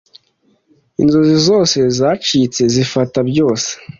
inzozi zose zacitse zifata byose